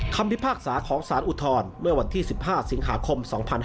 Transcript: พิพากษาของสารอุทธรณ์เมื่อวันที่๑๕สิงหาคม๒๕๕๙